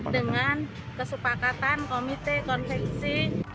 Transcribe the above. dengan kesepakatan komite konveksi